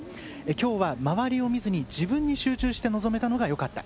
今日は、周りを見ずに、自分に集中して臨めたのがよかった。